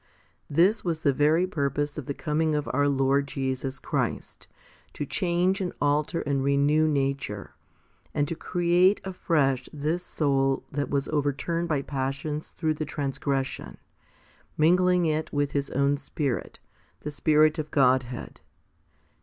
* This was 'the very purpose of the coming of our Lord Jesus Christ, to change and alter and renew nature, and to create afresh this soul that was overturned by passions through the transgression, mingling it with His own Spirit, the Spirit of Godhead.